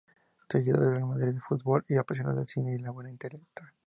Seguidor del Real Madrid de fútbol y apasionado del cine y la buena literatura.